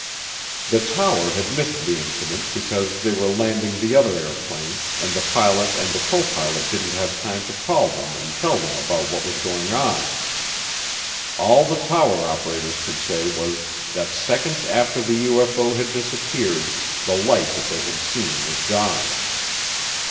The tower had missed the incident because they were landing the other airplane and the pilot and the copilot didn't have time to call them and tell them about what was going on. All the tower operators could say was that seconds after the UFO had disappeared the light that they had seen was gone.